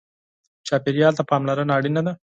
چاپېریال ته پاملرنه اړینه ده.